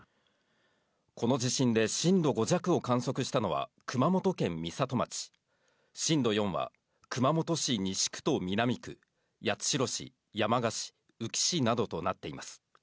この地震で震度５弱を観測したのは、熊本県美里町、震度４は熊本市西区と南区、八代市、山鹿市、宇城市などとなっています。